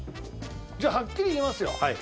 じゃあはっきり言いますよ。